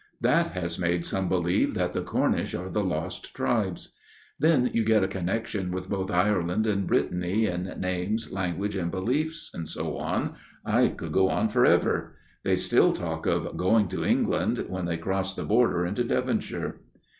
That has made some believe that the Cornish are the lost tribes. Then you get a connexion with both Ireland and Brittany in names, language, and beliefs, and so on I could go on for ever. They still talk of ' going to England ' when they cross the border into Devonshire.